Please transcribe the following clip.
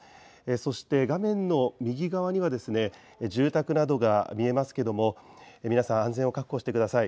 そして、画面の右側には住宅などが見えますけども皆さん、安全を確保してください。